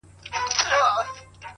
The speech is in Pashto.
• چي یوه ژبه لري هغه په دار دی,